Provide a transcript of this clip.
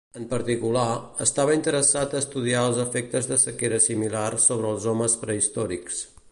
En particular, estava interessat a estudiar els efectes de sequeres similars sobre els homes prehistòrics.